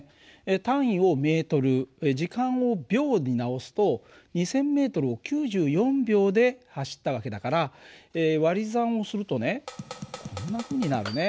単位をｍ時間を秒に直すと２，０００ｍを９４秒で走った訳だから割り算をするとねこんなふうになるね。